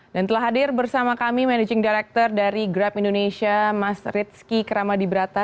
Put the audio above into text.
dan telah hadir bersama kami managing director dari grab indonesia mas rizky kramadibrata